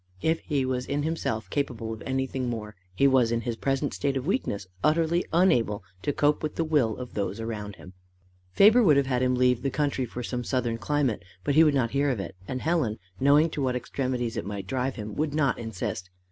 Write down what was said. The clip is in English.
If he was in himself capable of anything more, he was, in his present state of weakness, utterly unable to cope with the will of those around him. Faber would have had him leave the country for some southern climate, but he would not hear of it, and Helen, knowing to what extremities it might drive him, would not insist.